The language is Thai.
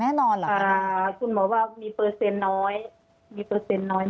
อันดับที่สุดท้าย